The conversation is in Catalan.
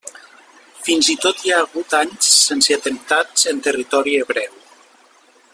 Fins i tot hi ha hagut anys sense atemptats en territori hebreu.